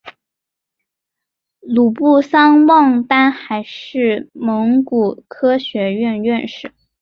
鲁布桑旺丹还是蒙古科学院院士。